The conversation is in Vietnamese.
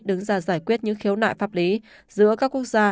đứng ra giải quyết những khiếu nại pháp lý giữa các quốc gia